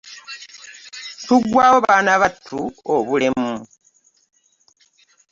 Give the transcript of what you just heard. Tuggwawo baana battu obulemu .